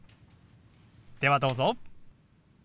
ではどうぞ。